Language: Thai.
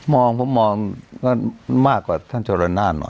มองดูมากกว่าจรณาณ